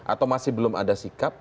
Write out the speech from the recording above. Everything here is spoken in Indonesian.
atau masih belum ada sikap